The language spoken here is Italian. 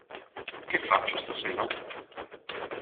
Che faccio stasera?